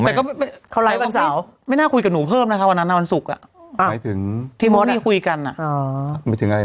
เอออันนี้นะมันเปลี่ยนไวน์จังเลย